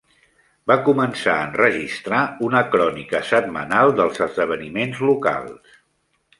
Va començar a enregistrar una crònica setmanal dels esdeveniments locals.